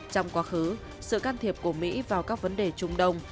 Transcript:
trong quá khứ sự can thiệp của mỹ vào các vấn đề trung đông